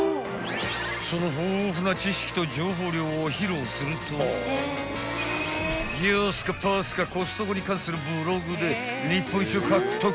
［その豊富な知識と情報量を披露するとギャースカーパースカコストコに関するブログで日本一を獲得］